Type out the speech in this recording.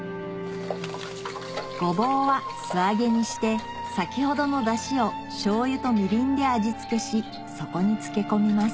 ゴボウは素揚げにして先ほどのダシをしょうゆとみりんで味付けしそこに漬け込みます